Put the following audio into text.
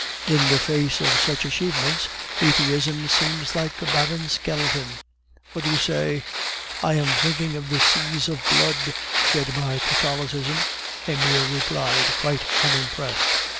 In the face of such achievements, atheism seems like a barren skeleton. What do you say?" "I am thinking of the seas of blood shed by Catholicism." Emile replied, quite unimpressed.